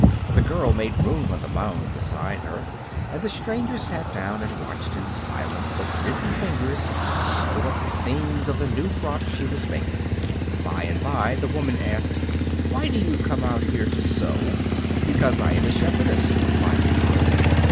The girl made room on the mound beside her, and the stranger sat down and watched in silence the busy fingers sew up the seams of the new frock she was making. By and by the woman asked, "Why do you come out here to sew?" "Because I am a shepherdess," replied the girl.